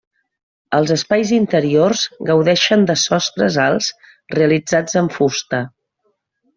Els espais interiors gaudeixen de sostres alts realitzats en fusta.